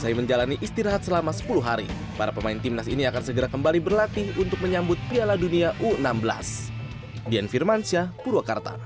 usai menjalani istirahat selama sepuluh hari para pemain timnas ini akan segera kembali berlatih untuk menyambut piala dunia u enam belas